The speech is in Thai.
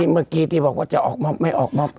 เมื่อกี้ที่บอกว่าจะออกมาไม่ออกมอบตัว